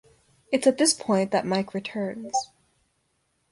It's at this point that Mike returns.